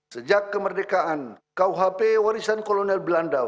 sejak kemerdekaan kuhp warisan kolonel belanda